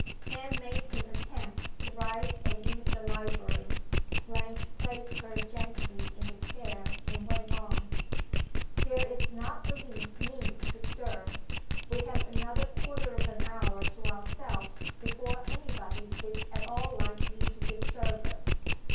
Anne made an attempt to rise and leave the library; Blanche placed her gently in the chair, and went on: "There is not the least need to stir. We have another quarter of an hour to ourselves before any body is at all likely to disturb us.